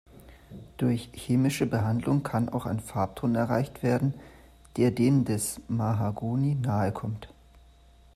Durch chemische Behandlung kann auch ein Farbton erreicht werden, der dem des Mahagoni nahekommt.